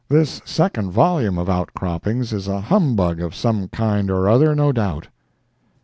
This second volume of Outcroppings is a humbug of some kind or other, no doubt.